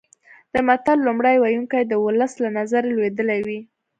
د متل لومړی ویونکی د ولس له نظره لوېدلی وي